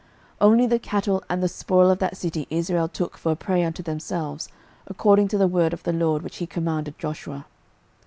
06:008:027 Only the cattle and the spoil of that city Israel took for a prey unto themselves, according unto the word of the LORD which he commanded Joshua.